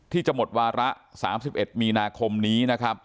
ที่จะหมดวาระ๓๑มีนาคมนี้